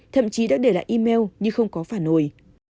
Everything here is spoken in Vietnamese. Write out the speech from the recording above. thậm chí đã để lại email nhưng không có phản hồi